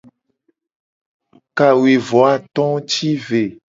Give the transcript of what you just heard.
Kawuivoato ti ve.